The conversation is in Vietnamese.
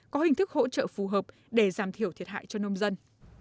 có hình thức hỗ trợ phù hợp để giảm thiểu thiệt hại cho nông dân